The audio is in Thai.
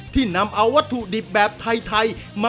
ที่นำเอามาแล้ว